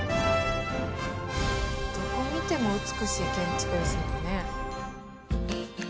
どこ見ても美しい建築ですもんね。